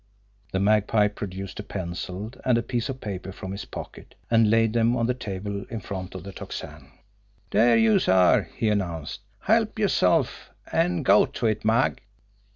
The Magpie produced a pencil and a piece of paper from his pocket, and laid them on the table in front of the Tocsin. "Dere youse are," he announced. "Help yerself, an' go to it, Mag!"